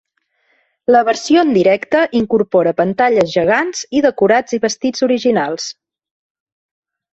La versió en directe incorpora pantalles gegants i decorats i vestits originals.